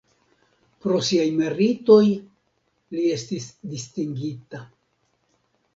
Pro siaj meritoj li estis distingita.